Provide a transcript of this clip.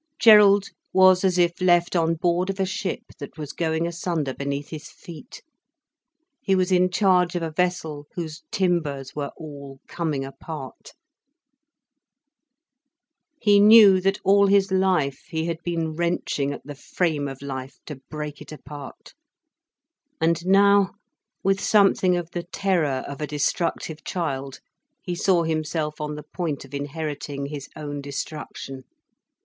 Gerald was as if left on board of a ship that was going asunder beneath his feet, he was in charge of a vessel whose timbers were all coming apart. He knew that all his life he had been wrenching at the frame of life to break it apart. And now, with something of the terror of a destructive child, he saw himself on the point of inheriting his own destruction.